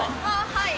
はい。